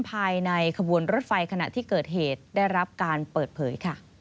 ภายในขบวนรถไฟขณะที่เกิดเหตุได้รับการเปิดเผย